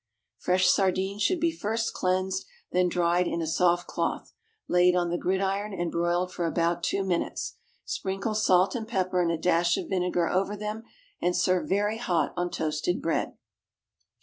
Fresh sardines should be first cleansed, then dried in a soft cloth, laid on the gridiron and broiled for about two minutes. Sprinkle salt and pepper and a dash of vinegar over them, and serve very hot on toasted bread.